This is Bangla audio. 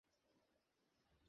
ঝগড়া কে করছে?